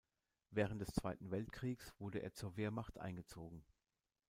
Während des Zweiten Weltkriegs wurde er zur Wehrmacht eingezogen.